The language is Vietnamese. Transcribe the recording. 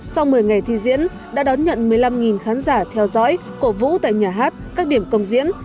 sau một mươi ngày thi diễn đã đón nhận một mươi năm khán giả theo dõi cổ vũ tại nhà hát các điểm công diễn